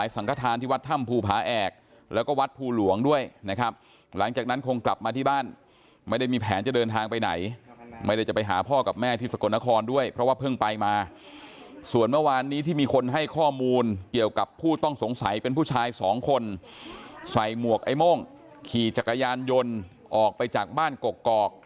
ส่วนเมื่อวานนี้ที่มีคนให้ข้อมูลเกี่ยวกับผู้ต้องสงสัยเป็นผู้ชายสองคนใส่หมวกไอ้โม่งขี่จักรยานยนต์ออกไปจากบ้านกอกกอก